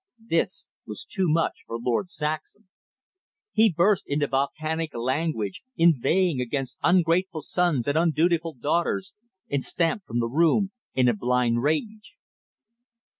This was too much for Lord Saxham. He burst into volcanic language, inveighing against ungrateful sons and undutiful daughters, and stamped from the room in a blind rage.